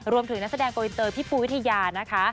รวมถึงนักแสดงกลวินเตอร์พี่ปูวิทยานะคะ